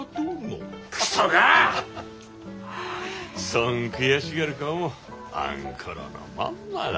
そん悔しがる顔もあんころのまんまだ。